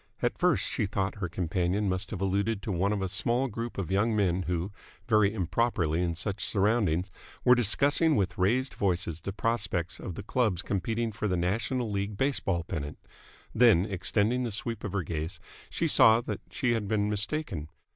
At first she thought her companion must have alluded to one of a small group of young men who, very improperly in such surroundings, were discussing with raised voices the prospects of the clubs competing for the National League Baseball Pennant. Then, extending the sweep of her gaze, she saw that she had been mistaken.